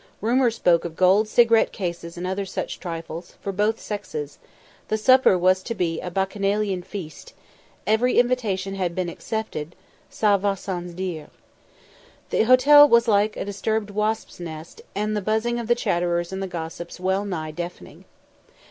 Rumour spoke of gold cigarette cases and other such trifles, for both sexes; the supper was to be a Bacchanalian feast; every invitation had been accepted ça va sans dire. The hotel was like a disturbed wasps' nest, and the buzzing of the chatterers and the gossips well nigh deafening.